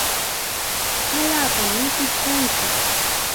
Allaapam mikush kanki.